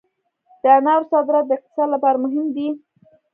د انارو صادرات د اقتصاد لپاره مهم دي